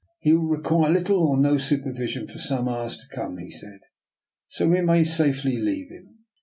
" He will require little or no supervision for some hours to come," he said, " so we may safely leave him.